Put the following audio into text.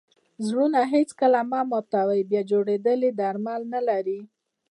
زړونه هېڅکله مه ماتوئ! بیا جوړېدل ئې درمل نه لري.